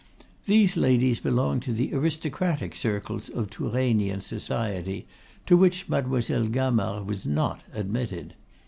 These ladies belonged to the aristocratic circles of Tourainean society, to which Mademoiselle Gamard was not admitted.